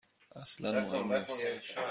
اصلا مهم نیست.